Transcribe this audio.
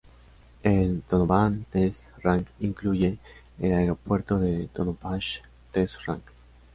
El Tonopah Test Range incluye el Aeropuerto del Tonopah Test Range.